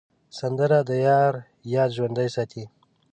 سندره د یار یاد ژوندی ساتي